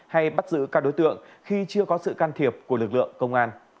hay bắt giữ các đối tượng khi chưa có sự can thiệp của lực lượng công an